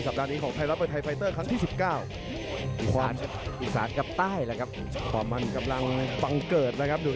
เป็นคนที่เล่นเกมได้ดีและเป็นคนที่สำคัญ